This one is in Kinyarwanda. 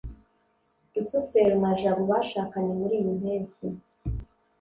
rusufero na jabo bashakanye muriyi mpeshyi